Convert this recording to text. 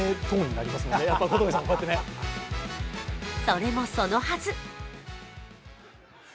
それもそのはず